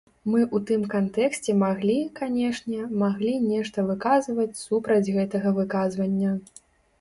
Мы ў тым кантэксце маглі, канешне, маглі нешта выказаць супраць гэтага выказвання.